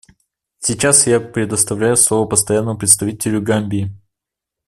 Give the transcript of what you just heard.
Сейчас я предоставляю слово Постоянному представителю Гамбии.